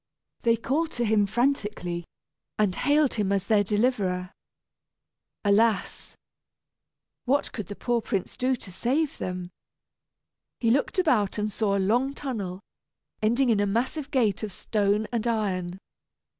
They called to him frantically, and hailed him as their deliverer. Alas! what could the poor prince do to save them. He looked about and saw a long tunnel, ending in a massive gate of stone and iron.